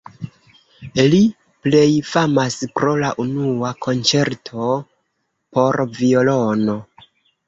Li plej famas pro la unua konĉerto por violono.